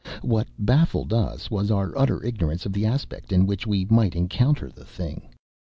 What baffled us was our utter ignorance of the aspect in which we might encounter the thing.